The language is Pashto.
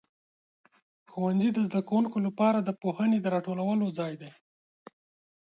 ښوونځي د زده کوونکو لپاره د پوهنې د راټولو ځای دی.